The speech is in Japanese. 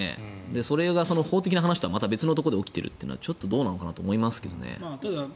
それが法的な話とは別のところで起きているというのはちょっとどうなのかなと思いますけどね。